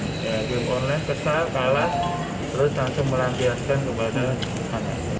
game online kesal kalah terus langsung melampiaskan kepada anak anak